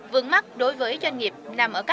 vườn mắt đối với doanh nghiệp nằm ở các phương pháp